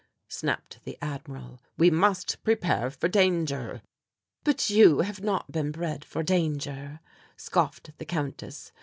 snapped the Admiral; "we must prepare for danger." "But you have not been bred for danger," scoffed the Countess.